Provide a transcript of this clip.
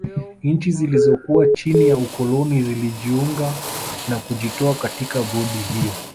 Nchi zilizokuwa chini ya ukoloni zilijiunga na kujitoa katika bodi hiyo